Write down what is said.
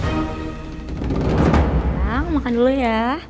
bang makan dulu ya